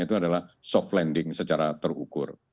itu adalah soft landing secara terukur